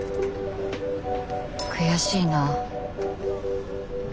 悔しいな。